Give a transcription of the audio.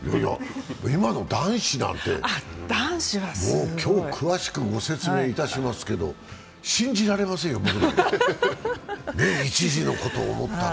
今の男子なんて、もう今日詳しくご説明いたしますけれども、信じられませんよ、僕には。一時のことを思ったら。